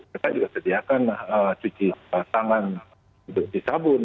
mereka juga sediakan cuci tangan cuci sabun